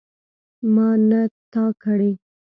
ما نه تا کړی.